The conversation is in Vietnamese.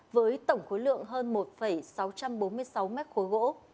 với tổng khối lượng hơn một sáu trăm bốn mươi sáu mét khối gỗ